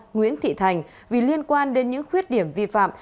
nguyễn thị thành vì liên quan đến những khuyết điểm vi phạm